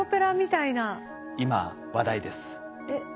今話題です。え？